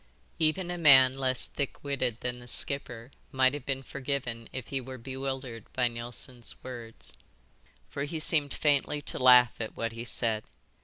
Even a man less thick witted than the skipper might have been forgiven if he were bewildered by Neilson's words. For he seemed faintly to laugh at what he said.